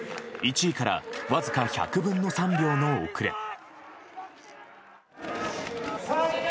１位から僅か１００分の３秒の遅れ。